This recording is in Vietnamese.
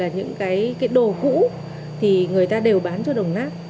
những cái đồ cũ thì người ta đều bán cho đồng nát